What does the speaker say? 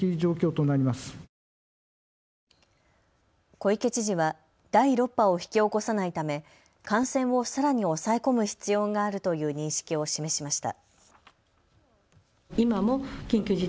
小池知事は第６波を引き起こさないため感染をさらに抑え込む必要があるという認識を示しました。